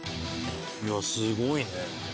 いやすごいね。